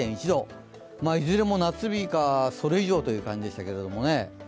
いずれも夏日か、それ以上という感じでしたけどね。